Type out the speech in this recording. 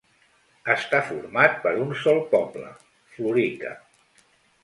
Està format per un sol poble, Florica.